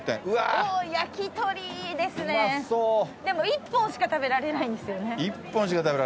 でも１本しか食べられないんですよね。